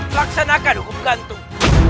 laksanakan hukum gantung